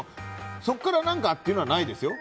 そこから何かっていうのはないですよ。